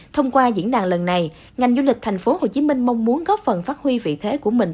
thông qua diễn đàn lần này ngành du lịch thành phố hồ chí minh mong muốn góp phần phát huy vị thế của mình